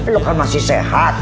lu kan masih sehat